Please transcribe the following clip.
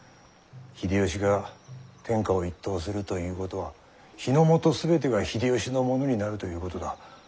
秀吉が天下を一統するということは日ノ本全てが秀吉のものになるということだ。